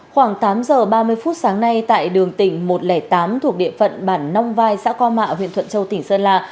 khoảng tám giờ ba mươi phút sáng nay tại đường tỉnh một trăm linh tám thuộc địa phận bản nong vai xã co mạ huyện thuận châu tỉnh sơn la